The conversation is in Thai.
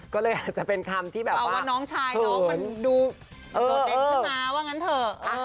ก็เลยอาจจะเป็นคำที่แบบเอาว่าน้องชายน้องมันดูโดดเด่นขึ้นมาว่างั้นเถอะ